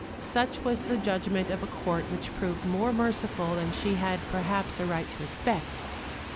Such was the judgment of a Court which proved more merciful than she had perhaps a right to expect.